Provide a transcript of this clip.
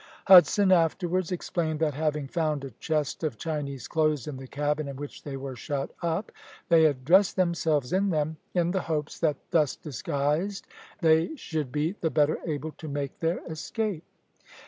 Hudson afterwards explained that, having found a chest of Chinese clothes in the cabin in which they were shut up, they had dressed themselves in them, in the hopes that thus disguised they should be the better able to make their escape.